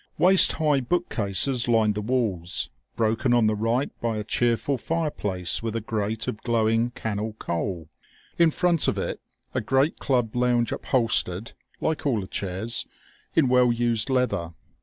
Waist high bookcases lined the walls, broken on the right by a cheerful fireplace with a grate of glowing cannel coal, in front of it a great club lounge upholstered, like all the chairs, in well used leather.